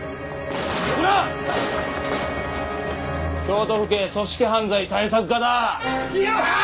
京都府警組織犯罪対策課だ。